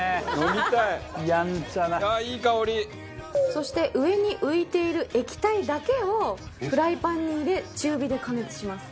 そして上に浮いている液体だけをフライパンに入れ中火で加熱します。